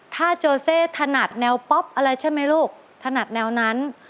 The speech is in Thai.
ถ้าโจเซถนัดแนวป๊อปอะไรใช่ไหมลูกถนัดแนวนั้น